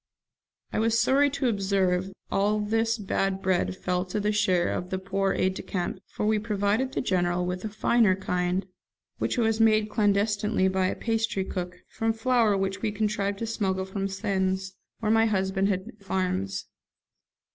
I was sorry to observe that all this bad bread fell to the share of the poor aide de camp, for we provided the General with a finer kind, which was made clandestinely by a pastrycook, from flour which we contrived to smuggle from Sens, where my husband had some farms.